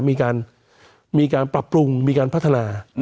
มีการปรับปรุงมีการพัฒนา